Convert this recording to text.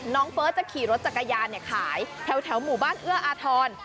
เฟิร์สจะขี่รถจักรยานขายแถวหมู่บ้านเอื้ออาทร